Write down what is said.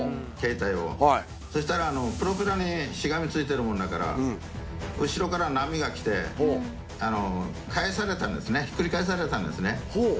携帯をそしたらプロペラにしがみついてるもんだから後ろから波が来て返されたんですねひっくり返されたんですね